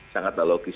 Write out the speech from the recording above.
sangat tidak logis